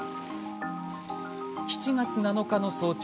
７月７日の早朝。